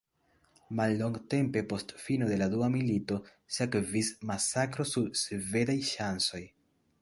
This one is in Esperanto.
Mallongtempe post fino de la dua milito sekvis masakro sur Svedaj ŝancoj.